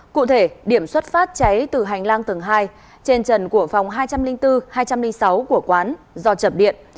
cụ thể điểm xuất phát cháy từ hành lang tầng hai trên trần của phòng hai trăm linh bốn hai trăm linh sáu của quán do chập điện